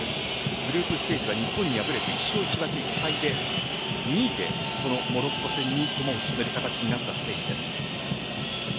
グループステージは日本に敗れて１勝１分け１敗で２位でモロッコ戦に駒を進める形になったスペインです。